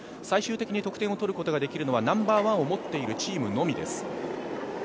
最終的に得点を取ることができるのはナンバーワンを持っているチームのみです。